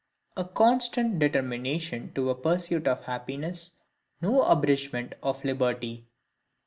A constant Determination to a Pursuit of Happiness no Abridgment of Liberty.